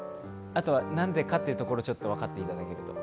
あとは、何でかってところを分かっていただけると。